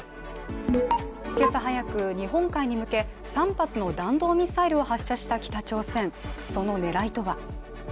今朝早く、日本海に向け、３発の弾道ミサイルを発射した北朝鮮、その狙いとは。